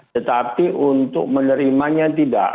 tetapi untuk menerimanya tidak